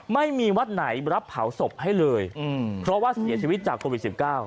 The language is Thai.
ไม่มีวัดไหนรับเผาศพให้เลยเพราะว่าเสียชีวิตจากโควิด๑๙